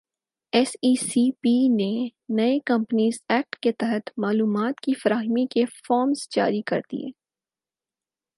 S E C P نے نئے companies act کے تحت معلومات کی فراہمی کے فارمز جاری کردیئے